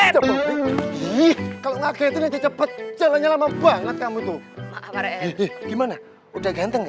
banget kalau ngaketnya cepet cepetnya lama banget kamu tuh gimana udah ganteng